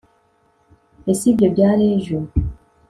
Ese ibyo byari ejo